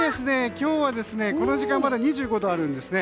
今日はこの時間まだ２５度あるんですね。